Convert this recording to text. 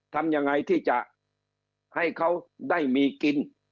ทำยังไงที่จะให้เขาได้มีกิน